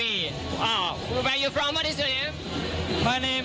ที่สนชนะสงครามเปิดเพิ่ม